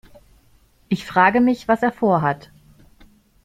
Ich frage mich, was er vorhat.